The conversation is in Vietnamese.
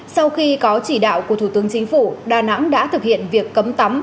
sau khi có chỉ đạo của thủ tướng chính phủ đà nẵng đã thực hiện việc cấm tắm